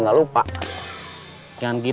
jangan lupa subscribe channel atu